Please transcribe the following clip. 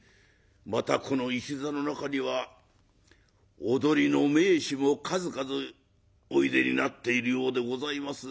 またこの一座の中には踊りの名手も数々おいでになっているようでございます。